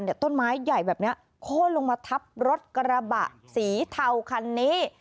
ต้นไม้ใหญ่แบบนี้โค้นลงมาทับรถกระบะสีเทาคันนี้